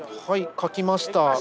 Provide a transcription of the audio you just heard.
できました？